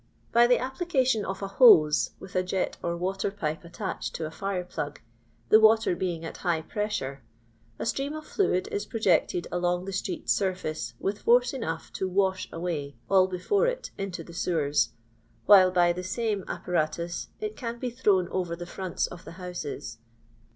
By the application of a hose, with a jet or water pipe attached to a fire plug, the water being at high pressure, a stream of fluid is projected along the street's surfoce with force enough to wash away all before it mto the sewers, while by the same apparatus it can be thrown over the fronts of the houses.